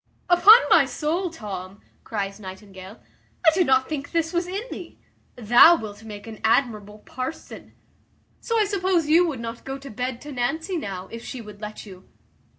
"Upon my soul, Tom," cries Nightingale, "I did not think this was in thee. Thou wilt make an admirable parson. So I suppose you would not go to bed to Nancy now, if she would let you?"